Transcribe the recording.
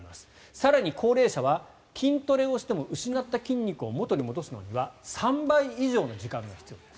更に、高齢者は筋トレをしても失った筋肉を元に戻すには３倍以上の時間が必要です。